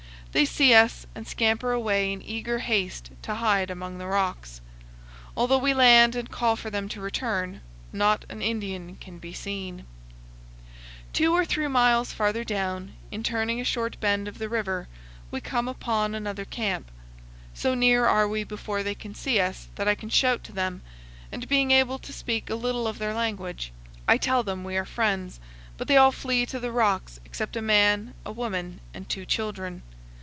They see us, and scamper away in eager haste to hide among the rocks. Although we land and call for them to return, not an Indian can be seen. powell canyons 177.jpg STANDING BOCKS. 286 CANYONS OF THE COLORADO. Two or three miles farther down, in turning a short bend of the river, we come upon another camp. So near are we before they can see us that I can shout to them, and, being able to speak a little of their language, I tell them we are friends; but they all flee to the rocks, except a man, a woman, and two children.